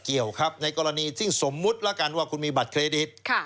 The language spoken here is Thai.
เกี่ยวครับในกรณีที่สมมุติแล้วกันว่าคุณมีบัตรเครดิต